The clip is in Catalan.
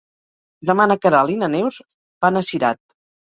Demà na Queralt i na Neus van a Cirat.